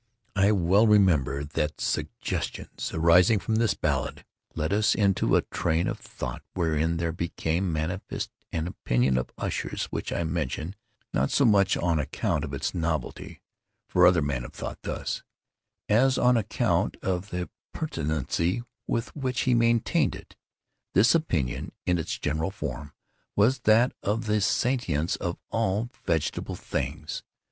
I well remember that suggestions arising from this ballad, led us into a train of thought wherein there became manifest an opinion of Usher's which I mention not so much on account of its novelty, (for other men * have thought thus,) as on account of the pertinacity with which he maintained it. This opinion, in its general form, was that of the sentience of all vegetable things.